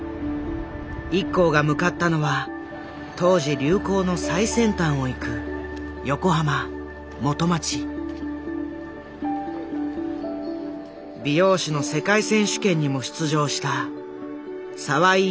ＩＫＫＯが向かったのは当時流行の最先端をいく横浜美容師の世界選手権にも出場した澤飯廣英に弟子入り。